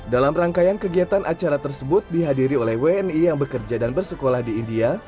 dalam rangkaian kegiatan acara tersebut dihadiri oleh wni yang bekerja dan bersekolah di india